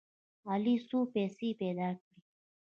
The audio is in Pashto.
علي څو پیسې پیدا کړې.